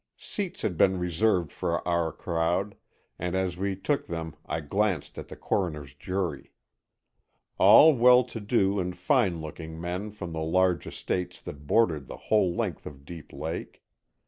Seats had been reserved for our crowd, and as we took them I glanced at the coroner's jury. All well to do and fine looking men from the large estates that bordered the whole length of Deep Lake.